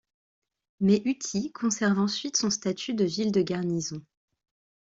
Mais Utti conserve ensuite son statut de ville de garnison.